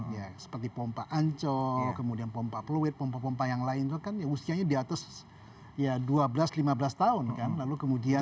ya seperti pompa ancol kemudian pompa fluid pompa pompa yang lain itu kan usianya di atas ya dua belas lima belas tahun kan lalu kemudian